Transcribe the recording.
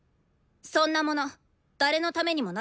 そんなもの誰のためにもならないし。